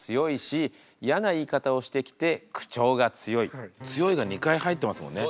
はやとくんは「強い」が２回入ってますもんね。